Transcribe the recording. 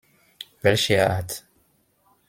Welcher Art?